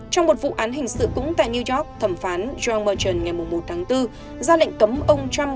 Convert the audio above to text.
trong một vụ án hình sự cúng tại new york thẩm phán john merchant ngày một bốn ra lệnh cấm ông trump